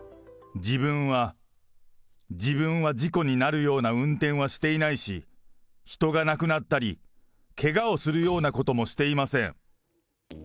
自分は、自分は事故になるような運転はしていないし、人が亡くなったり、けがをするようなこともしていません。